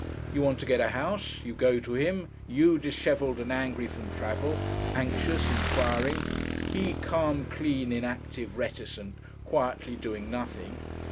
You want to get a house; you go to him, you dishevelled and angry from travel, anxious, enquiring; he calm, clean, inactive, reticent, quietly doing nothing.